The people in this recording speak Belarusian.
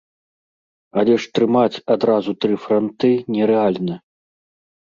Але ж трымаць адразу тры франты нерэальна.